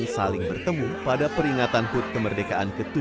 saat digelar upacara bendera pada tujuh belas agustus